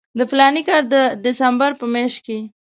د فلاني کال د ډسمبر په میاشت کې.